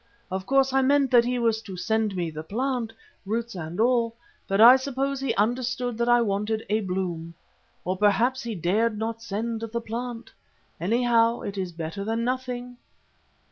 Of course I meant that he was to send me the plant, roots and all, but I suppose he understood that I wanted a bloom. Or perhaps he dared not send the plant. Anyhow, it is better than nothing."